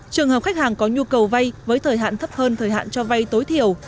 trường hợp khách hàng có nhu cầu vai với thời hạn thấp hơn thời hạn cho vai tối thiểu